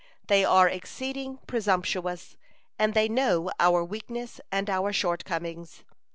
They are exceeding presumptuous, and they know our weakness and our shortcomings.